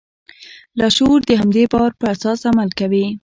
لاشعور د همدې باور پر اساس عمل کوي.